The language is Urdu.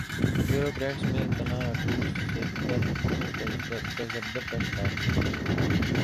بیوروکریٹس میں تنا اٹو سیکٹر تذبذب کا شکار